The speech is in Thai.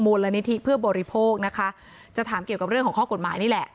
มูลนิธิเพื่อบริโภคนะคะจะถามเกี่ยวกับเรื่องของข้อกฎหมายนี่แหละ